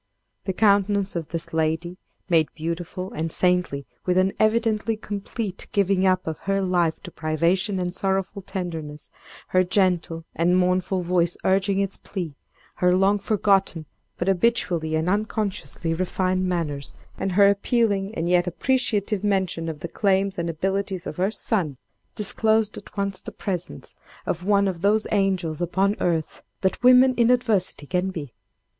The countenance of this lady, made beautiful and saintly with an evidently complete giving up of her life to privation and sorrowful tenderness, her gentle and mournful voice urging its plea, her long forgotten but habitually and unconsciously refined manners, and her appealing and yet appreciative mention of the claims and abilities of her son, disclosed at once the presence of one of those angels upon earth that women in adversity can be.